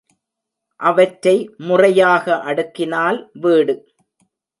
அவற்றை முறையாக அடுக்கினால் வீடு!